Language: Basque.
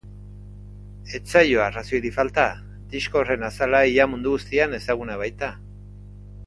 Ez zaio arrazoirik falta, disko horren azala ia mundu guztian ezaguna baita.